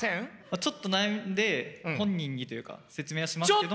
ちょっと悩んで本人にというか説明はしますけど。